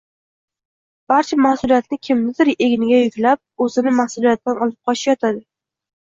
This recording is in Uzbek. barcha mas’uliyatni kimnidir egniga yuklab, o‘zini mas’uliyatdan olib qochish yotadi.